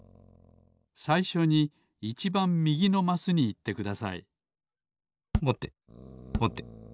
さいしょにいちばんみぎのマスにいってくださいぼてぼて。